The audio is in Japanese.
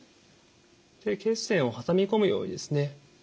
血栓を挟み込むようにですね